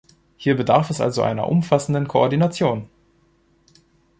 Hier bedarf es also einer umfassenden Koordination.